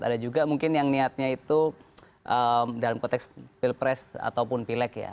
ada juga mungkin yang niatnya itu dalam konteks pilpres ataupun pilek ya